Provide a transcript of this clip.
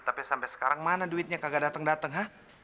tapi sampai sekarang mana duitnya kagak dateng dateng ha